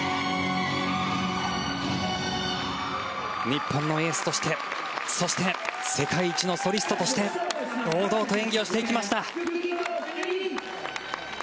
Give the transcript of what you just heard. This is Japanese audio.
日本のエースとしてそして、世界一のソリストとして堂々と演技をしていきました。